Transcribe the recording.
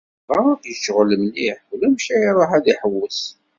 Baba yecɣel mliḥ, ulamek ara iruḥ ad iḥewwes.